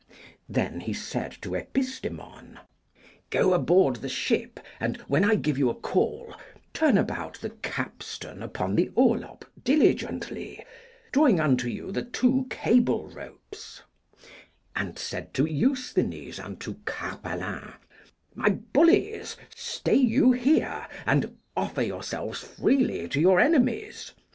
Then said he to Epistemon, Go aboard the ship, and, when I give you a call, turn about the capstan upon the orlop diligently, drawing unto you the two cable ropes; and said to Eusthenes and to Carpalin, My bullies, stay you here, and offer yourselves freely to your enemies.